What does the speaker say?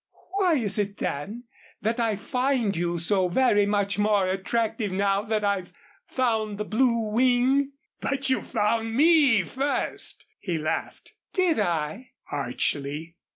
"Why is it then that I find you so very much more attractive now that I've found the Blue Wing?" "But you found me first," he laughed. "Did I?" archly.